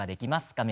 画面